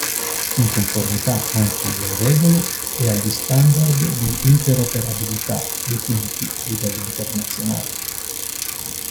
In conformità anche alle regole e agli standard di interoperabilità definiti a livello internazionale.